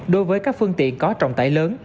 đối với các phương tiện có trọng tải lớn